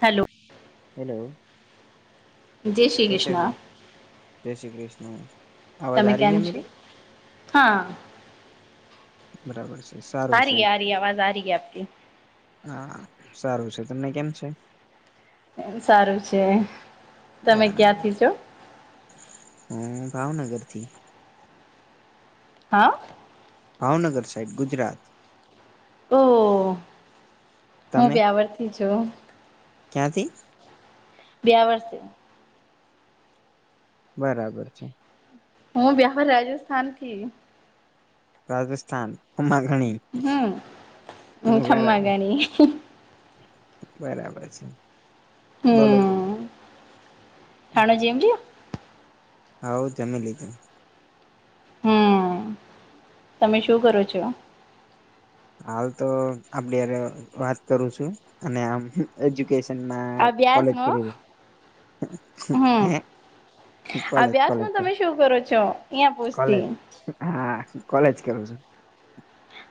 Hello. Hello Shri કેત હો કૃષ્ણ જય શ્રી કૃષ્ણ. તમે કેમ છો હા. બરાબર છે સારું આ છે. રહી આ રહી આવાજ આ રહી આપકી હા હા સારું છે તમને કેમ છે. એમ સારું છે. બ તમે ક્યાંથી છો હમ ભાવનગરથી. હા. ભાવનગર સાઈડ ગુજરાત. ઓ હું વયાવરથી છું. કયાં થી બયાવર બરાબર છે હું બયાહવર રાજસ્થાન થી રાજસ્થાન ખમ્મા ઘણી હમ ખમા બરાબર ગાણી બરાબર છે બોલો બોલો થાણા જેમજઓ હા તમે લીધ હમ તમે શું કરો છો? હાલ તો આપડ વાત કરું છું અને આમ એજ્યુકેશન મે કોલેજ અભ્યાસમાં કર્યુ હમ [unintelligible] અભ્યાસમાં તમે શું કરો છો અહિયાં પૂછતી કોલેજ હા કોલેજ કરું છું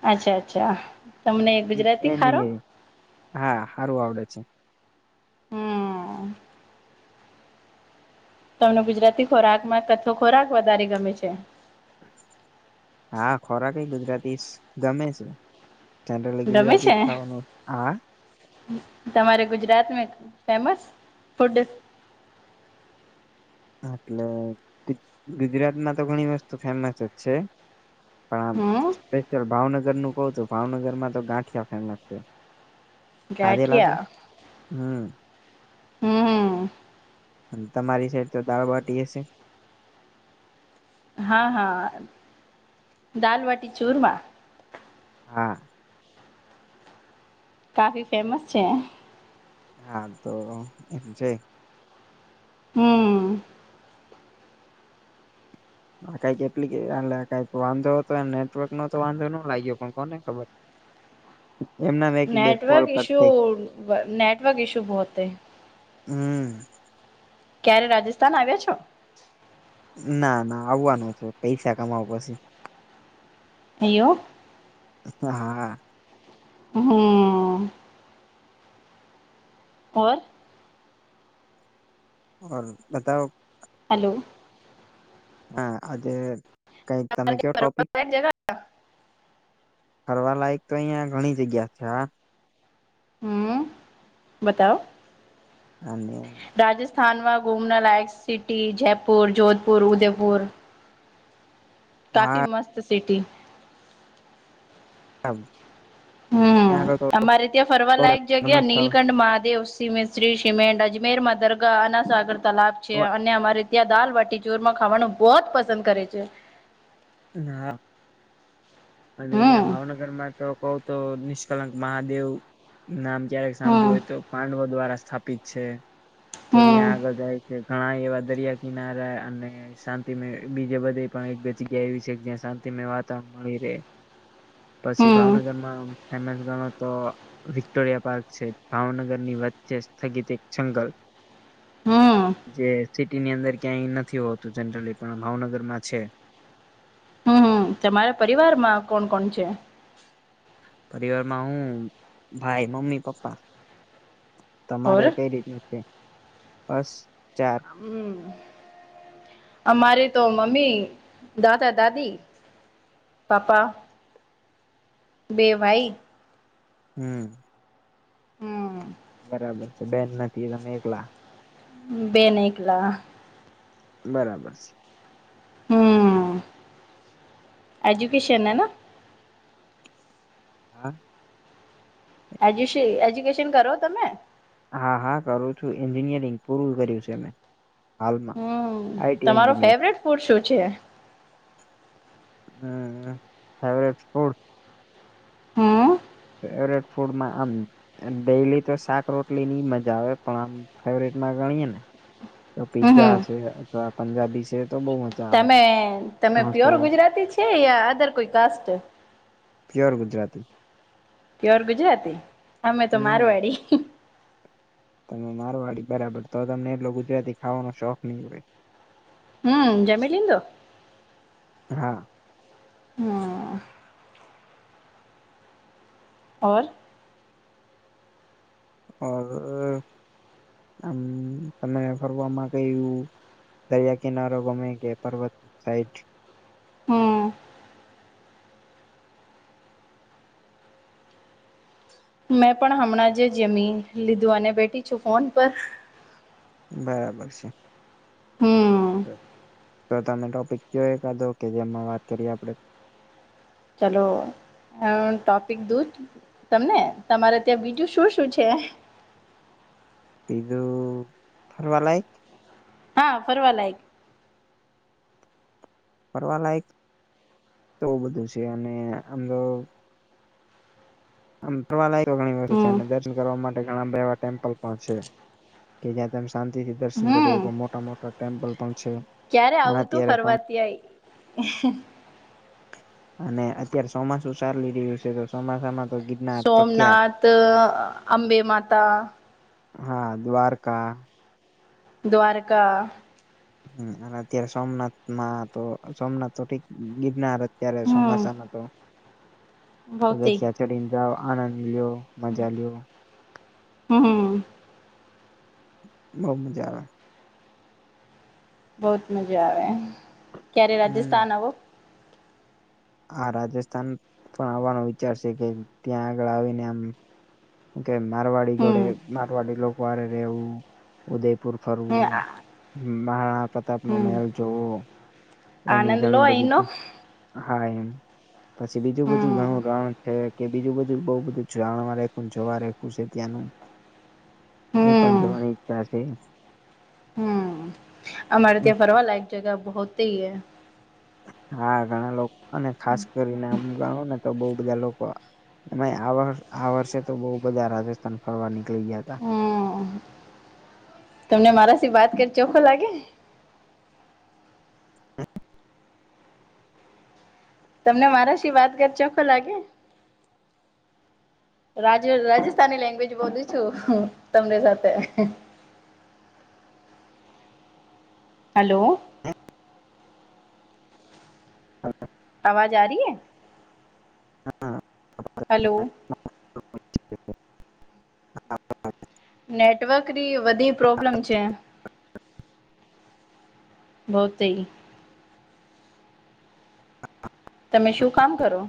અચ્છા અચ્છા તમને એક ગુજરાતી ખારો એન્જિનિયરિંગ હા સારું આવડે છે હમ તમને ગુજરાતી ખોરાકમાં કથો ખોરાક વધારે ગમે છે હા ખોરાકય ગુજરાતી ગમે છે જનરલી ગમે ગુજરાતી છે જ ખવાનું હા તમારે ગુજરાત મે ફેમસ ફૂડ એટલે ગુજરાતમાં તો ઘણી વસ્તુ ફેમસ જ છે પણ આમ હમ સ્પેશિયલ ભાવનગર ન કવ તું ભાવનગર માં તો ગાંઠિયા ફેમસ છે કદે લાગ ગાઠિયા હમ હમ અને તમારી સાઈડ તો દાળબાટી હશે હા હા દાલ વાટી ચૂરમાં હા કાફી ફેમસ છે હા તો એમ છે હમ કઈક એપ્લિક કક વાંધો હતો નેટવર્ક નો તો વાંધો ન લાગ્યો પણ કોને ખબર એમના એક બે કોલ નેટવર્ક કટ ઇશુ થઈ નેટવર્ક ઇશુ બહોત હે હમ ક્યારે રાજસ્થાન આવ્યા છો ના ના આવવાનું છે પૈસા કમાવ પછી હ એવું હા હા હમ ઓર ઓ બતાવ હલો હા આજે કઈક તમે કેવ ફલાાયક તો અહિયાં ઘણી જગ્યા છે હ બતાવ હમ રાજસ્થાનમાં ઘુમના લાયક સિટી જયપુર જોધપુર ઉદયપુર કાફી હા મસ્ત સિટી. આમ હમ્મ અમારે ત્યાં ફરવાલાયક ધર્મ જગ્યા સ્થળ નીલકંઠ મહાદેવ [unintelligible] સિમેન્ટ અજમેર માં દરગાહ આના સાગર તલાબ છે અને અમારે ત્યાં દાલબટી ચોરમાં ખાવાનું બહુ જ પસંદ કરે છે. ના હા. અને અહંયા હમ ભાવનગર માં તો કવો તો નિષ્કલંક મહાદેવ નામ ક્યારેક સાંભળ્યું હમ હોય તો પાંડવો દ્વારા સ્થાપિત છે. તો હમ ત્યાં આગળ જાય છે ઘણા એવા દરિયા કિનારા અને શાંતિમય બીજે બધે પણ એક બે જગ્યા એવી છે જ્યાં શાંતિમય વાતાવરણ મળી રહે. પછી હમ ભાવનગરમાં ફેમસ ગણો તો વિક્ટોરિયા પાર્ક છે ભાવનગર ની વચ્ચે સ્થગિત એક જંગલ હમ જે સિટીની અંદર ક્યાંય નથી હોતું જનરલી પણ ભાવનગર માં છે. હમ તમારા પરિવાર માં કોણ કોણ છે. પરિવારમાં હું ભાઈ મમ્મી પપ્પા. ઓર તમારે કઈ રીતનું છે બસ ચાર હમ્મ. અમારે તો મમ્મી દાદા દાદી પાપા બે ભાઈ હમ્મ. હમ્મ. બરાબર છે બેન નથી તમે એકલા. બેન એકલા. બરાબર છે. હમ્મ એજુકેશન ના. હા. એજ્યુ એજ્યુકેશન કરો તમે. હા હા કરું છું એન્જિનિયરિંગ પૂરું કર્યું છે મે. હમ તમારો એન્જિનિયર ફેવરેટ ફૂડ શું છે. હમ્મ ફેવરેટ ફૂડ હમ્મ. ફેવરેટ ફૂડમાં આમ ડેલી તો શાક રોટલી ની મજા આવે પણ આમ ફેવરેટ માં ગણીયે ને તો હમ હમ પીઝા છે અથવા પંજાબી છે તો બહુ મ તમે તમે પ્યોર ગુજરાતી છે યા અદર કોઈ caste pure Gujarati. Pure Gujarati અમે તો હમ મારવાડી. તમે મારવાડી બરાબર તો તમને એટલો ગુજરાતી ખાવાનો શોખ નહીં હોય. હમ્મ જમી લીધું. હા. હા. ઓર. ઓર આમ તમે ફરવામાં કયું દરિયા કિનારો ગમે કે પર્વત સાઈડ. હમ મેં પણ હમણાં જે જમીન લીધું અને બેઠી છું ફોન પર. બરાબર છે. હમ્મ. તો તમે ટોપિક કયો એક કાધો કે જેમાં વાત કરીએ આપડે. ચાલો આ ટોપિક દૂધ તમને તમારે ત્યાં બીજું શું શું છે કજું થરવા લાયક હા ફરવા લ એક ફરવાલાયક તોવ બધું છે અને આમ તો આમરવાલાયકો ઘણી વતુ છે હમ દર્શન કરવા માટે ઘણાા એવા ટેમ્પલ પણ છે કે જ્યાં તેમ શાંતિ થી દર્શન કરી હમ મોટા મોટા ટેમ્પલ પણ છે. ક્યારે અને આવું તો અત્યારે ફરવા ત આય? અને અત્યારે ચોમાસું ચાલી રહ્યું છે તો. ચોમાસામા તો ગિરનાર પ્રખ્યાત સોમનાથ, અંબે માતા. હા દ્વારકા. દ્વારકા. હ અને અત્યારે સોમનાથમાં તો સોમનાથ તો ઠીક ગિરનાર અત્યારે હમ ચોમાસામાં તો ભૌતે પગથીયા ચડીને જાઓ આનંદ લ્યો. મજા લ્યો. હમ. બહુ મજા આવે. બહુત મજા આવે ક્યારેક હમ રાજસ્થાન આવો. આ રાજસ્થાન પણ આવવાનો વિચાર છે કે ત્યાં આગળ આવીને આમ કે મારવાડી હમ ઘરે મારવાડી લોકો હારે રહેેવું. ઉદયપુર હમ ફરવું, મહારાણા પ્રતાપ નો હમ મેહેલ જોવું. એની આનંદ લો ઘણી અહીનો બધી હા એમ. પછી બીજું બધું હમ ઘણું રણ છે કે બીજું બધું બવ બધું જાણખું જોવા રખું છે ત્યાંનું. હ [inaudible] એ પણ જોવાની ઈચ્છા છે. હમ અમારે ત્યા ફરવા લાયક જગહ બહતે હૈ. હા ઘણા લોકો અને ખાસ કરીને આમ ગણો ને તો બહુ બધા લોકો. એમાય આ વર્ષે તો બહુ બધા રાજસ્થાન ફરવા નીકળી ગયા હતા. હમ તમને મારાથી વાત કર ચોખ્ખો લાગે. હા [inaudible] તમને મારા શ વાત કર ચોખ્ખો લાગે. રાજ રાજસ્થાની લેંગ્વેજ બોલું છું હુ તમને સાથે. હલો. હા [inaudible] આવાજ આ રહી હે? હા [inaudible] હલો. [inaudible] હા [inaudible] નેટવર્કની વધી પ્રોબ્લેમ છે. બહતે. તમે શું કામ કરો?